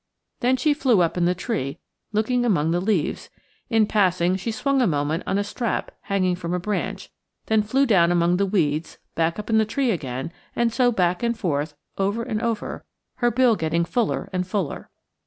Then she flew up in the tree looking among the leaves; in passing she swung a moment on a strap hanging from a branch; then flew down among the weeds, back up in the tree again; and so back and forth, over and over, her bill getting fuller and fuller.